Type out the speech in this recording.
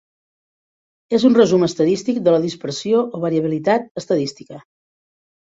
És un resum estadístic de la dispersió o variabilitat estadística.